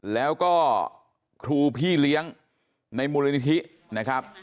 แล้วก็ครูพี่เลี้ยงในมูลนิธินะครับ